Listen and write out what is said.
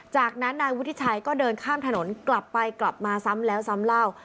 จากนั้นนายวุฒิชัยก็เดินข้ามถนนกลับไปกลับมาซ้ำแล้วซ้ำเล่า